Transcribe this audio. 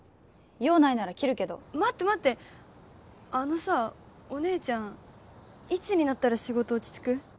用ないなら切るけど待って待ってあのさお姉ちゃんいつになったら仕事落ち着く？